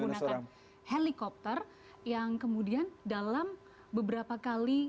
menggunakan helikopter yang kemudian dalam beberapa kali